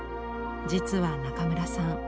実は中村さん